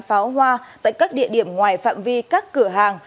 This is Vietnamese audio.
và tổng kinh doanh mua bán pháo hoa tại các địa điểm ngoài phạm vi các cửa hàng